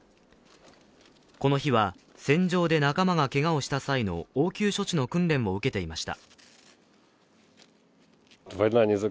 この日は戦場で仲間がけがをした際の応急処置の訓練を受けていました。